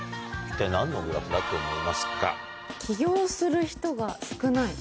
一体何のグラフだと思いますか？が少ない。